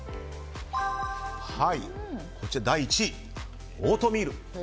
こちら、第１位オートミール。